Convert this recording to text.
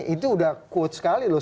itu udah quote sekali loh